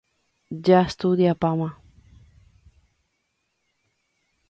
Jastudiapáma.